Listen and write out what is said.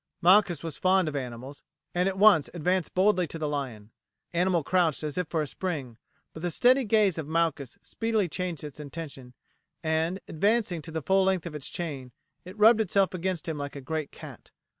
Malchus was fond of animals, and at once advanced boldly to the lion. The animal crouched as if for a spring, but the steady gaze of Malchus speedily changed its intention, and, advancing to the full length of its chain, it rubbed itself against him like a great cat.